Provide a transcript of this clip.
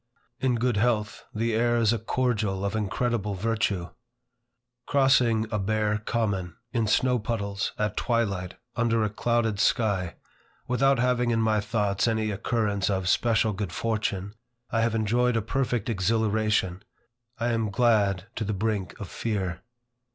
In good health, the air is a cordial of incredible virtue. Crossing a bare common, in snow puddles, at twilight, under a clouded sky, without having in my thoughts any occurrence of special good fortune, I have enjoyed a perfect exhilaration. I am glad to the brink of fear.